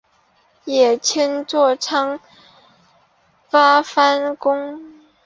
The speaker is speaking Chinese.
也称作镰仓八幡宫。